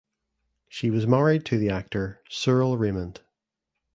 She was married to the actor Cyril Raymond.